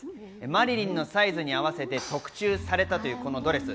マリリンのサイズに合わせて特注されたというこのドレス。